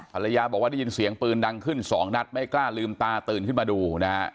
ภรรยาบอกว่าได้ยินเสียงปืนดังขึ้นสองนัดไม่กล้าลืมตาตื่นขึ้นมาดูนะฮะ